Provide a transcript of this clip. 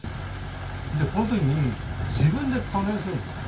でこの時に自分で加減するんですよ。